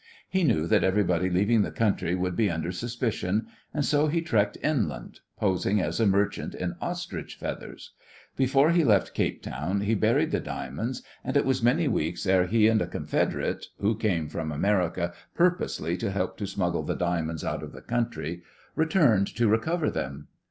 He knew that everybody leaving the country would be under suspicion, and so he trekked inland, posing as a merchant in ostrich feathers. Before he left Cape Town he buried the diamonds, and it was many weeks ere he and a confederate who came from America purposely to help to smuggle the diamonds out of the country returned to recover them.